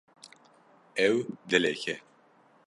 Ew dilek e.